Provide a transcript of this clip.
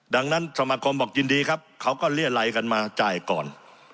ดังนั้นสมาคมบอกยินดีครับเขาก็เรียรัยกันมาจ่ายก่อน